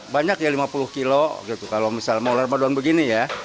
banyak ya lima puluh kilo gitu kalau misalnya mau ramadan begini ya